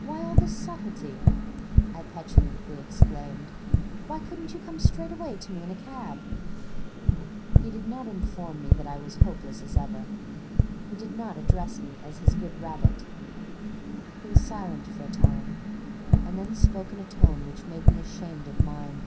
"Why all this subtlety?" I petulantly exclaimed. "Why couldn't you come straight away to me in a cab?" He did not inform me that I was hopeless as ever. He did not address me as his good rabbit. He was silent for a time, and then spoke in a tone which made me ashamed of mine.